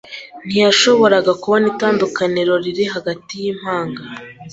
Ntiyashoboraga kubona itandukaniro riri hagati yimpanga.